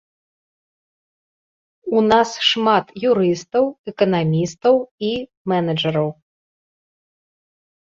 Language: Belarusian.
У нас шмат юрыстаў, эканамістаў і менеджараў.